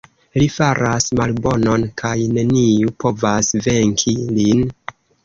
Li faras malbonon kaj neniu povas venki lin.